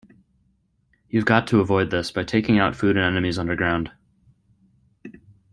You've got to avoid this by taking out food and enemies under ground.